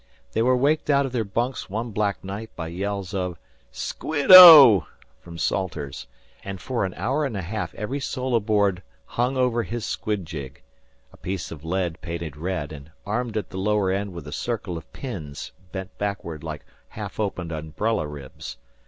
They were waked out of their bunks one black night by yells of "Squid O!" from Salters, and for an hour and a half every soul aboard hung over his squid jig a piece of lead painted red and armed at the lower end with a circle of pins bent backward like half opened umbrella ribs.